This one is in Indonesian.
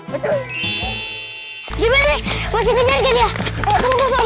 gimana nih masih ngejar gak dia